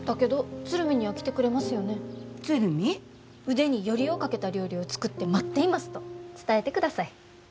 腕によりをかけた料理を作って待っていますと伝えてください。